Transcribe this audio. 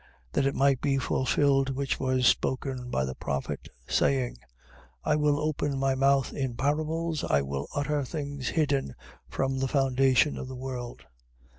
13:35. That it might be fulfilled which was spoken by the prophet, saying: I will open my mouth in parables, I will utter things hidden from the foundation of the world.